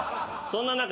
そんな中。